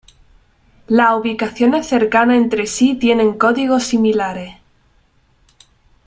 Las ubicaciones cercanas entre sí tienen códigos similares.